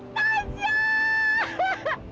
saya sudah berhenti mencari kamu